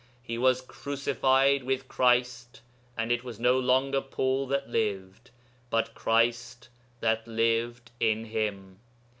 He was 'crucified with Christ,' and it was no longer Paul that lived, but Christ that lived in him.